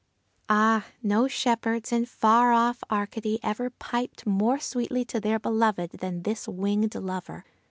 Ah, no shepherds in far off Arcady ever piped more sweetly to their beloved than this winged lover!